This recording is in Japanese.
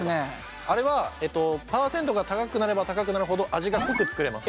あれは％が高くなれば高くなるほど味が濃く作れます。